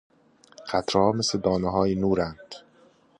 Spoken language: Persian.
قطره ها مثل دانه های نورند.